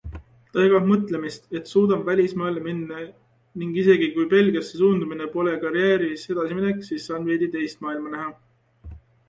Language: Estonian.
Ta jagab mõtlemist, et suudan välismaale minna ning isegi, kui Belgiasse suundumine pole karjääris edasiminek, siis saan veidi teist maailma näha.